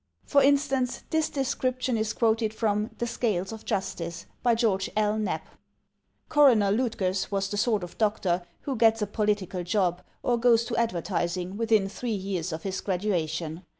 For instance this description is quoted from "The Scales of Justice," by George L. Knapp: Coroner Lutgers was the sort of doctor who gets a political job or goes to advertising within three years of his graduation.